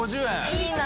いいな。